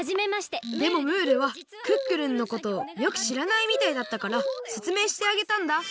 でもムールはクックルンのことをよくしらないみたいだったからせつめいしてあげたんだ